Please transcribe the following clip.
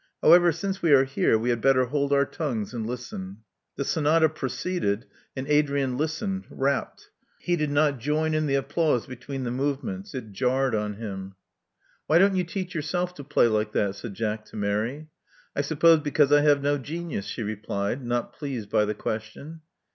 How ever, since we are here, we had better hold our tongues and listen. '' The Sonata proceeded; and Adrian listened, rapt. He did not join in the applause between the move ments: it jarred on him. Love Among the Artists 189 "Why don't you teach yourself to play like that?" said Jack to Mary. I suppose because I have no genius," Ae replied, not pleased by the question.